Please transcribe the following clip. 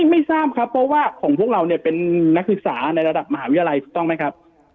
ไม่ทราบครับเพราะว่าของพวกเราเนี่ยเป็นนักศึกษาในระดับมหาวิทยาลัยถูกต้องไหมครับ